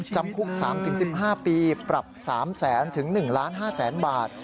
จำคุก๓๑๕ปีปรับ๓แสนถึง๑๕๐๐๐๐บาท